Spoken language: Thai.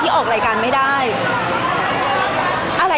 พี่ตอบได้แค่นี้จริงค่ะ